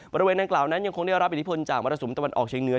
บริเวณนั้นกล่าวนั้นยังคงได้รับอินิพลจากวัฒนศูนย์ตะวันออกเชียงเหนือ